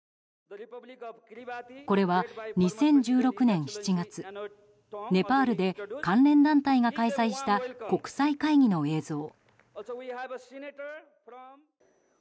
これは２０１６年７月ネパールで関連団体が開催した国際会議の映像。